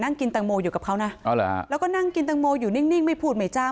กินแตงโมอยู่กับเขานะแล้วก็นั่งกินตังโมอยู่นิ่งไม่พูดไม่จ้าง